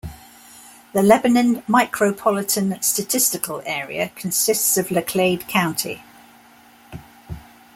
The Lebanon Micropolitan Statistical Area consists of Laclede County.